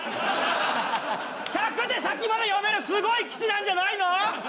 １００手先まで読めるすごい棋士なんじゃないの！？